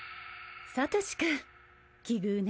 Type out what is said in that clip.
サトシくん奇遇ね。